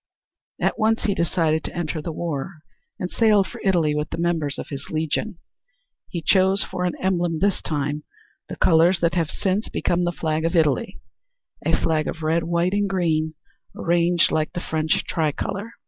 At once he decided to enter the war and sailed for Italy with the members of his legion. He chose for an emblem this time the colors that have since become the flag of Italy, a flag of red, white and green arranged like the French tricolor.